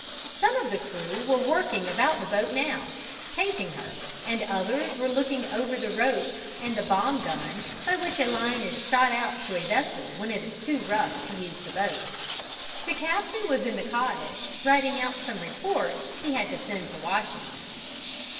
Some of the crew were working about the boat now painting her and others were looking over the ropes and the bomb gun by which a line is shot out to a vessel when it is too rough to use the boat. The captain was in the cottage writing out some reports he had to send to Washington.